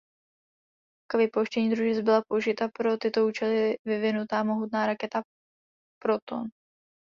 K vypouštění družic byla použita pro tyto účely vyvinutá mohutná raketa Proton.